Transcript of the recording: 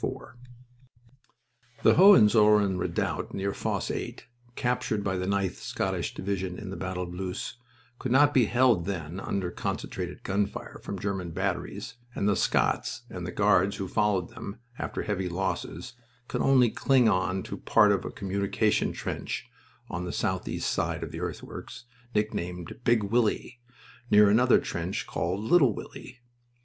IV The Hohenzollern redoubt, near Fosse 8, captured by the 9th Scottish Division in the battle of Loos, could not be held then under concentrated gun fire from German batteries, and the Scots, and the Guards who followed them, after heavy losses, could only cling on to part of a communication trench (on the southeast side of the earthworks) nicknamed "Big Willie," near another trench called "Little Willie."